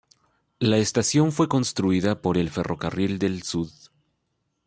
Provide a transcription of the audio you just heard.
La estación fue construida por el Ferrocarril del Sud.